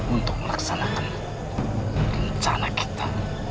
untuk melaksanakan rencana kita